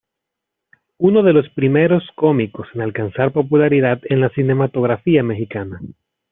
Uno de los primeros cómicos en alcanzar popularidad en la cinematografía mexicana.